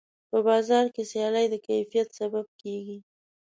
په بازار کې سیالي د کیفیت سبب کېږي.